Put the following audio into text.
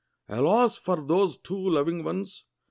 Alas for those two loving ones!